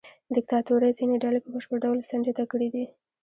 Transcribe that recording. دیکتاتورۍ ځینې ډلې په بشپړ ډول څنډې ته کړې دي.